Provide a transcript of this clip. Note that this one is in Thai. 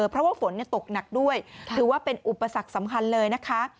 เพราะว่าฝนตกหนักด้วยถือว่าเป็นอุปสรรคสำคัญเลยนะคะ